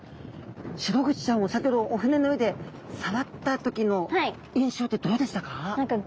シログチちゃんを先ほどお船の上で触った時の印象ってどうでしたか？